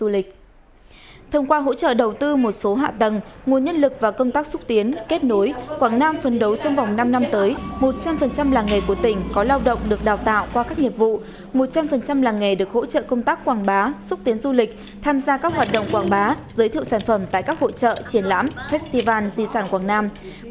một trăm linh làng nghề được hỗ trợ công tác quảng bá xúc tiến du lịch tham gia các hoạt động quảng bá giới thiệu sản phẩm tại các hỗ trợ triển lãm festival di sản quảng nam